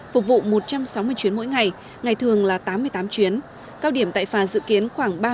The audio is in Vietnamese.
phục vụ một trăm sáu mươi chuyến mỗi ngày ngày thường là tám mươi tám chuyến cao điểm tại phà dự kiến khoảng ba mươi